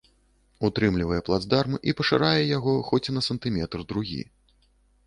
Утрымлівае плацдарм і пашырае яго хоць на сантыметр-другі.